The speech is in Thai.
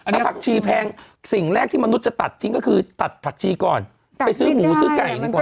ถ้าผักชีแพงสิ่งแรกที่มนุษย์จะตัดทิ้งก็คือตัดผักชีก่อนไปซื้อหมูซื้อไก่ดีกว่า